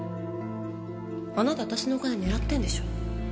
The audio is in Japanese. あなた私のお金狙ってんでしょ？